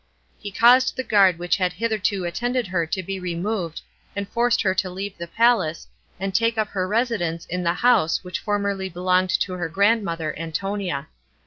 He caused the guard which had hitherto attended her to be removed, and forced her to leave the palace, and take up her residence in the house which formerly belonged to her grandmother Antonia.